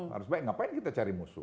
harus baik ngapain kita cari musuh